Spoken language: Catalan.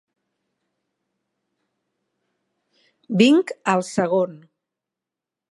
Vinc al segon.